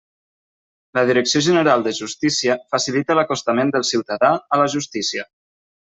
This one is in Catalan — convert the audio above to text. La Direcció General de Justícia facilita l'acostament del ciutadà a la Justícia.